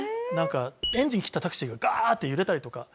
エンジン切ったタクシーがガーッて揺れたりとか。